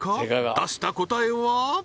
出した答えは？